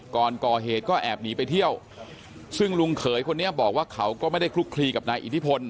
ก่อนก่อเหตุก็แอบหนีไปเที่ยวซึ่งลุงเขยคนนี้บอกว่าเขาก็ไม่ได้คลุกคลีกับนายอิทธิพล